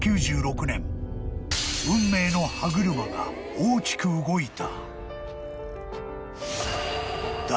［運命の歯車が大きく動いた］